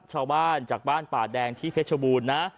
ชาวบ้านจากบ้านป่าแดงที่เพชรบูรณ์นะ